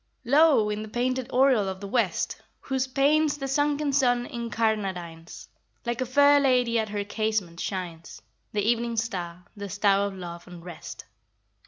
Lo! in the painted oriel of the West, Whose panes the sunken sun incarnadines, Like a fair lady at her casement, shines The evening star, the star of love and rest!